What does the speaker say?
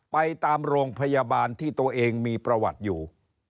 ไปตามโรงพยาบาลที่ตัวเองมีประวัติอยู่